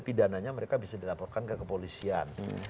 pidananya mereka bisa dilaporkan ke kepolisian